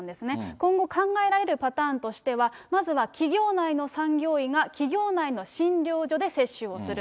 今後、考えられるパターンとしては、まずは企業内の産業医が、企業内の診療所で接種をする。